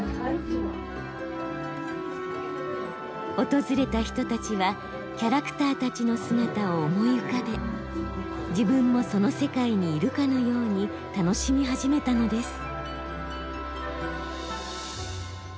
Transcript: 訪れた人たちはキャラクターたちの姿を思い浮かべ自分もその世界にいるかのように楽しみ始めたのです。